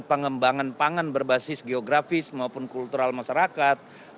pengembangan pangan berbasis geografis maupun kultural masyarakat